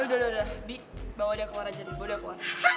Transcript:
udah udah udah bi bawa dia keluar aja deh gue udah keluar